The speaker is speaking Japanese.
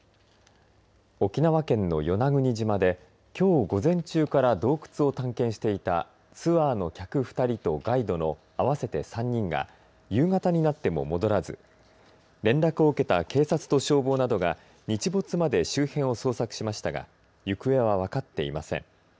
沖縄県の与那国島できょう午前中から洞窟を探検していたツアーの客２人とガイドの合わせて３人が夕方になっても戻らず連絡を受けた警察と消防などが日没まで周辺を捜索しましたが行方は分かっていません。